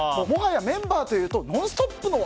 もはやメンバーというと「ノンストップ！」